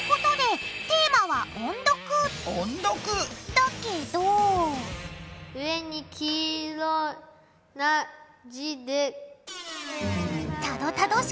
だけど上に黄いろな字で。